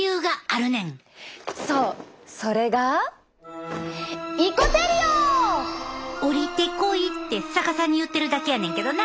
そうそれが「降りてこい」って逆さに言ってるだけやねんけどな。